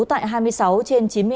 tại hai mươi sáu trên chín mươi hai